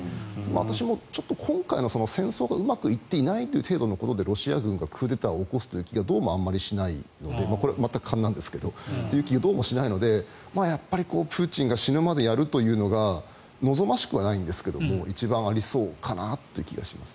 私も今回の戦争がうまくいっていないという程度のことでロシア軍がクーデターを起こす気はどうもあまりしないのでこれは全く勘ですがプーチンが死ぬまでやるというのは望ましくはないんですが一番ありそうかなという気がします。